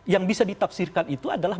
yang bisa ditafsirkan itu adalah